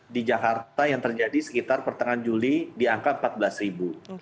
di jakarta yang terjadi sekitar pertengahan juli di angka empat belas ribu